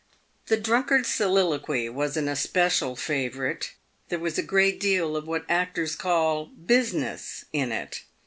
■ The Drunkard's Soliloquy" was an especial favourite. There was a great deal of what actors call " business" in it.